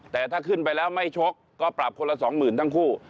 แต่ถ้าขึ้นไปแล้วไม่ชกก็ปรับคนละสองหมื่นทั้งคู่